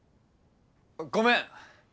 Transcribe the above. ごめん！